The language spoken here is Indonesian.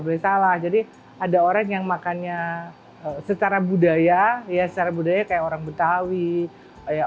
boleh salah jadi ada orang yang makannya secara budaya ya secara budaya kayak orang betawi ya